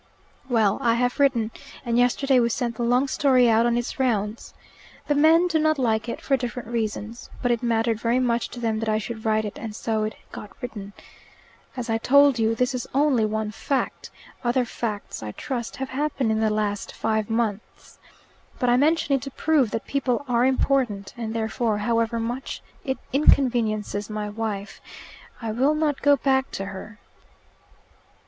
Well, I have written, and yesterday we sent the long story out on its rounds. The men do not like it, for different reasons. But it mattered very much to them that I should write it, and so it got written. As I told you, this is only one fact; other facts, I trust, have happened in the last five months. But I mention it to prove that people are important, and therefore, however much it inconveniences my wife, I will not go back to her."